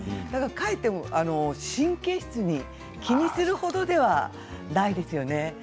かえって神経質に気にするほどではないですよね。